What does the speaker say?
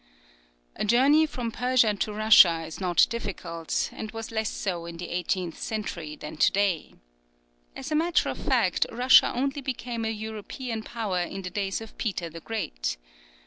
A journey from Persia to Russia is not difficult; and was less so in the eighteenth century than to day. As a matter of fact, Russia only became an European power in the days of Peter the Great.